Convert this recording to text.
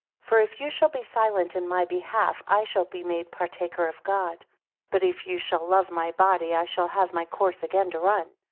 For if you, shall be silent in my behalf, I shall be made partaker of God. 6 But if you shall love my body, I shall have my course again to run.